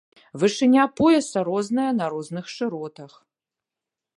Вышыня пояса розная на розных шыротах.